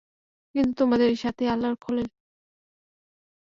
কিন্তু তোমাদের এই সাথী আল্লাহর খলীল।